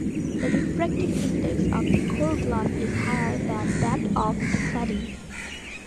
The refractive index of the core glass is higher than that of the cladding.